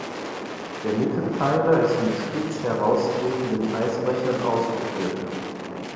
Der Mittelpfeiler ist mit spitz heraustretenden Eisbrechern ausgeführt.